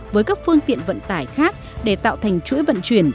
với các phương tiện vận tải khác để tạo thành chuỗi vận chuyển